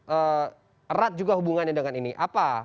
erat juga hubungannya dengan ini apa